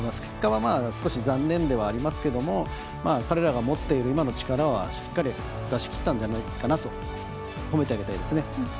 結果は、少し残念ではありますけれども彼らが持っている今の力はしっかり出しきったんじゃないかなと褒めてあげたいですね。